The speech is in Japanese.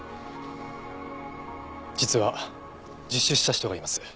実は自首した人がいます。